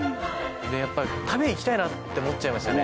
やっぱり食べに行きたいなって思っちゃいましたね。